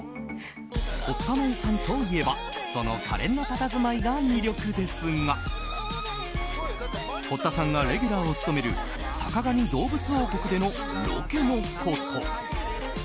堀田真由さんといえばその可憐なたたずまいが魅力ですが堀田さんがレギュラーを務める「坂上どうぶつ王国」でのロケのこと。